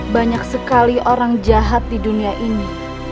banyak sekali orang jahat di dunia ini